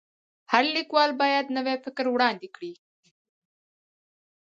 هر لیکوال باید نوی فکر وړاندي کړي.